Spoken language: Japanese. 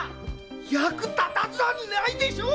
「役立たず」はないでしょう